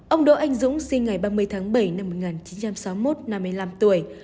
ông đỗ anh dũng sinh ngày ba mươi tháng bảy năm một nghìn chín trăm sáu mươi một năm mươi năm tuổi